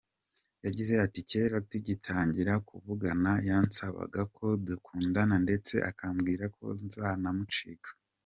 Yagize ati “Kera tugitangira kuvugana, yansabaga ko dukundana ndetse akambwira ko ntazamucika.